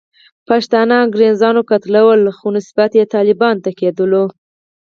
پښتانه انګریزانو قتلول، خو نسبیت یې طالبانو ته کېدلو.